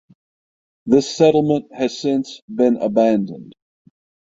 This settlement has since been abandoned.